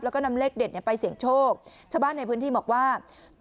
แล้วก็นำเลขเด็ดเนี่ยไปเสี่ยงโชคชาวบ้านในพื้นที่บอกว่า